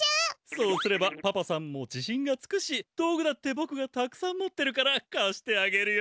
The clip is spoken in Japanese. そうすればパパさんもじしんがつくし道具だってぼくがたくさん持ってるからかしてあげるよ。